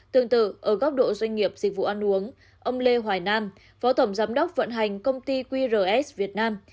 tương tự ở góc độ doanh nghiệp dịch vụ ăn uống ông lê hoài nam phó tổng giám đốc vận hành công ty qrs việt nam